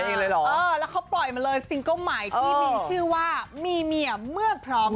เออแล้วเขาปล่อยมาเลยสซิงเก่ามายที่มีชื่อว่ามีเมียเมื่อพร้อม